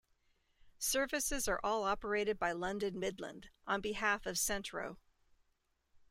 Services are all operated by London Midland on behalf of Centro.